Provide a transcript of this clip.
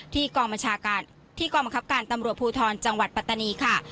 ที่กรมกรรมคับการตำรวจภูทรจังหวัดปัตตานีค่ะ